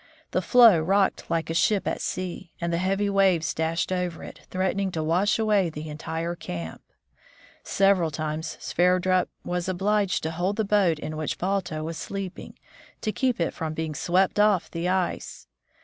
The floe rocked like a ship at sea, and the heavy waves dashed over it, threatening to wash away the entire camp. Several times Sverdrup was obliged to hold the boat in which Balto was sleeping, to keep it from being swept off the ice.